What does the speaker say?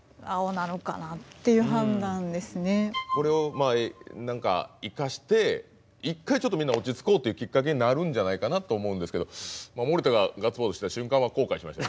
これを何か生かして一回ちょっとみんな落ち着こうっていうきっかけになるんじゃないかなと思うんですけど森田がガッツポーズした瞬間は後悔しました。